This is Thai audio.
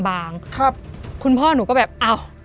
ครับครับคุณพ่อหนูก็แบบเอา